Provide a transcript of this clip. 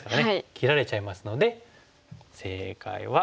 切られちゃいますので正解は。